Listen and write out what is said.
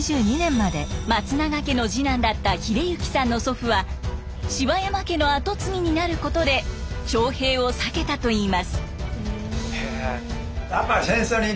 松永家の次男だった英行さんの祖父は柴山家の跡継ぎになることで徴兵を避けたといいます。